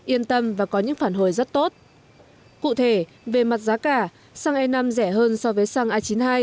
yên tâm và có những phản hồi rất tốt cụ thể về mặt giá cả xăng e năm rẻ hơn so với xăng a chín mươi hai